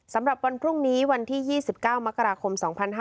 สำหรับวันพรุ่งนี้วันที่๒๙มกราคม๒๕๕๙